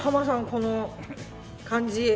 この感じ。